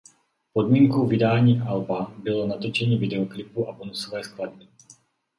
Podmínkou vydání alba bylo natočení videoklipu a bonusové skladby.